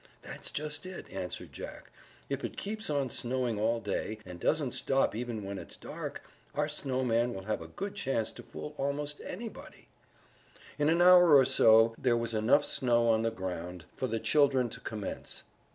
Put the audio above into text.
"That's just it," answered Jack. "If it keeps on snowing all day, and doesn't stop even when it's dark, our snowman will have a good chance to fool almost anybody." In an hour or so there was enough snow on the ground for the children to commence.